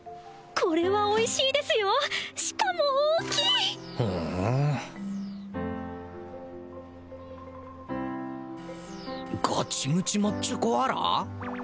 これはおいしいですよしかも大きいふんガチムチ・マッチョコアラ？